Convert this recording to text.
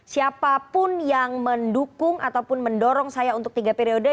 siapapun yang mendukung ataupun mendorong saya untuk tiga periode